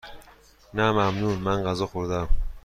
نه ممنون، من غذا خوردهام.